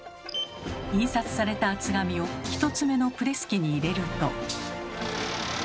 印刷された厚紙を１つ目のプレス機に入れると。